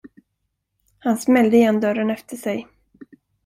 Han smällde igen dörren efter sig.